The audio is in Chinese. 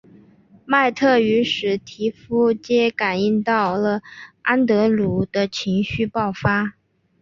麦特与史提夫皆感应到了安德鲁的情绪爆发。